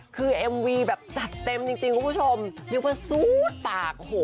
คือเอ็มวีแบบจัดเต็มจริงคุณผู้ชมนึกว่าซูดปากโอ้โห